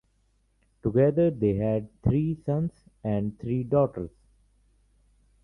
Together they had three sons and three daughters.